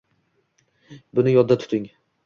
Buni yodda tuting